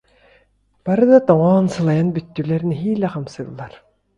Бары да тоҥон, сылайан бүттүлэр, нэһиилэ хамсыыллар